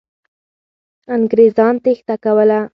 انګریزان تېښته کوله.